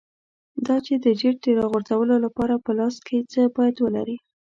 دا چې د جیټ د راغورځولو لپاره په لاس کې څه باید ولرې.